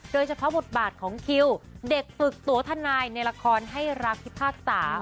โดยเฉพาะบทบาทของคิวเด็กฝึกตัวทนายในละครให้รักพิพากษา